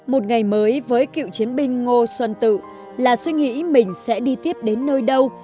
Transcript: một ngày mới với cựu chiến binh ngô xuân tự là suy nghĩ mình sẽ đi tiếp đến nơi đâu